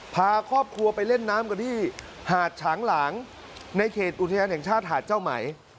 พาครอบครัวไปเล่นน้ำกันที่หาดฉางหลางในเขตอุทยานแห่งชาติหาดเจ้าไหม